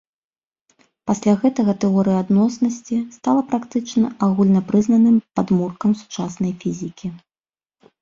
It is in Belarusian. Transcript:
Пасля гэтага тэорыя адноснасці стала практычна агульнапрызнаным падмуркам сучаснай фізікі.